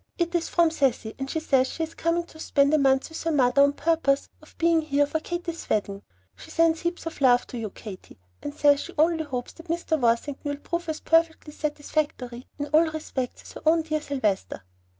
"It is from Cecy, and she says she is coming to spend a month with her mother on purpose to be here for Katy's wedding. She sends heaps of love to you, Katy, and says she only hopes that Mr. Worthington will prove as perfectly satisfactory in all respects as her own dear Sylvester."